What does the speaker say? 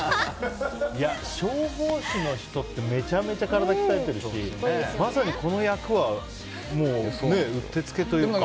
消防士の人ってめちゃめちゃ体鍛えてるしまさに、この役はうってつけというか。